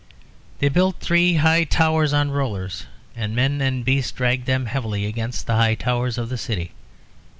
They built three high towers on rollers, and men and beasts dragged them heavily against the high towers of the city.